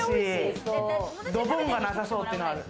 ドボンがなさそうっていうのがある。